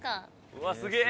うわっすげえ。